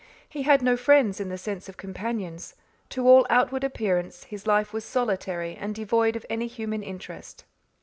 He had no friends in the sense of companions; to all outward appearance his life was solitary and devoid of any human interest.